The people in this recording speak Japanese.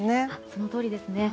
そのとおりですね。